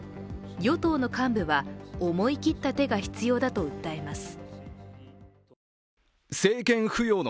与党の幹部は思いきった手が必要だと訴えます。